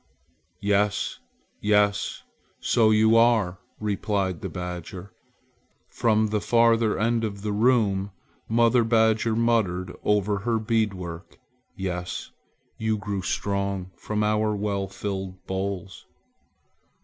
"Yes, yes, so you are," replied the badger. From the farther end of the room mother badger muttered over her bead work: "Yes, you grew strong from our well filled bowls."